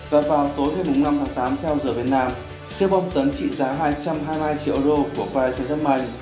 và vào tối ngày năm tháng tám theo giờ việt nam siêu bóng tấn trị giá hai trăm hai mươi hai triệu euro của paris saint germain